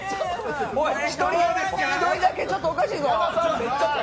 １人だけちょっとおかしいぞ。